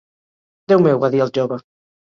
"Déu meu,", va dir el jove.